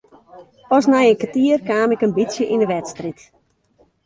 Pas nei in kertier kaam ik in bytsje yn de wedstriid.